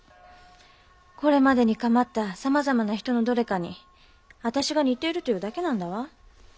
これまでに構ったさまざまな人のどれかに私が似ているというだけなんだわ。